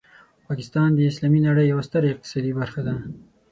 پاکستان د اسلامي نړۍ یوه ستره اقتصادي برخه ده.